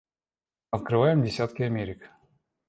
Наоткрываем десятки Америк.